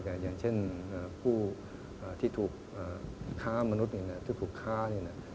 อย่างเช่นผู้ที่ถูกฆามนุษย์นี่ที่ถูกฆานี่นี่